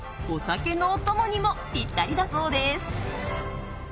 お酒のお供にもピッタリだそうです。